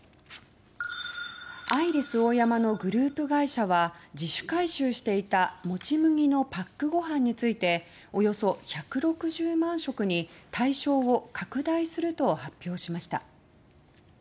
アイリスオーヤマのグループ会社は自主回収していたもち麦のパックご飯についておよそ１６０万食に対象を拡大すると発表しました。